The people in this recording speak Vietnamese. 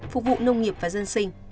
phục vụ nông nghiệp và dân sinh